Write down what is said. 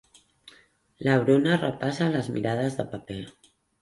La Bruna repassa les mirades de paper.